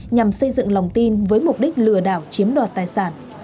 nhằm xây dựng lòng tin với mục đích lừa đảo chiếm đoạt tài sản